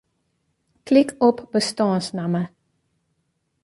Klik op bestânsnamme.